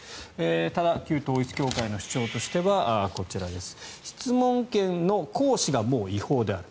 ただ、旧統一教会の主張としては質問権の行使が違法である。